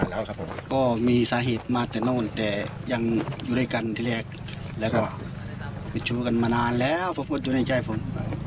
แล้วก็ชู้กันมานานแล้วพบกันอยู่ในใจผม